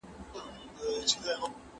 د کندهار په ژمي کي کوم خواړه ډېر خوړل کيږي؟